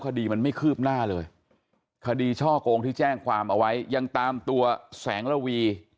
คดีมันไม่คืบหน้าเลยคดีช่อกงที่แจ้งความเอาไว้ยังตามตัวแสงระวี